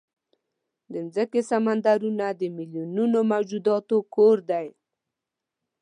د مځکې سمندرونه د میلیونونو موجوداتو کور دی.